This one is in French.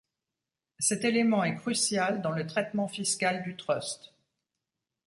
Cet élément est crucial dans le traitement fiscal du trust.